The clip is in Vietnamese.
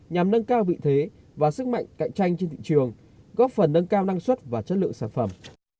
nhằm nâng cao vị thế và sức mạnh cạnh tranh trên thị trường góp phần nâng cao năng suất và chất lượng sản phẩm